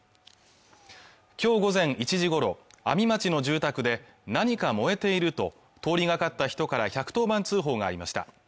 今日午前１時ごろ阿見町の住宅で何か燃えていると通りがかった人から１１０番通報がありました